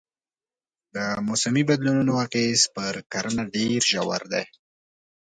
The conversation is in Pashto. د موسمي بدلونونو اغېز پر کرنه ډېر ژور دی.